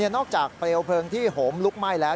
นอกจากเปลวเพลิงที่โหมลุกไหม้แล้ว